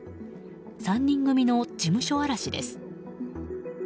３人組の事務所荒らしです。